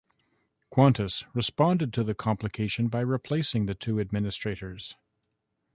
Qantas responded to the complication by replacing the two administrators.